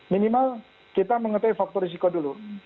minimal kita mengetahui faktor risiko dulu